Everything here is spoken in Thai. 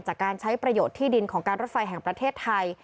จากการใช้ประโยชน์ที่ดินของการรถไฟแห่งประเทศไทย